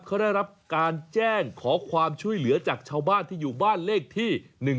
เขาได้รับการแจ้งขอความช่วยเหลือจากชาวบ้านที่อยู่บ้านเลขที่๑๒